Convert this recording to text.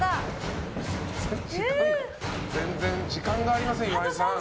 全然時間がありません岩井さん。